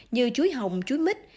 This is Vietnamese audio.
như chuối hồng chuối mít